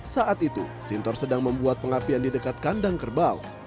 saat itu sintor sedang membuat pengapian di dekat kandang kerbau